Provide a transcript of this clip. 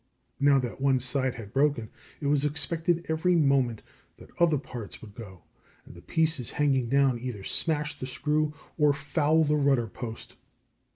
Now that one side had broken, it was expected every moment that other parts would go, and the pieces hanging down either smash the screw or foul the rudder post.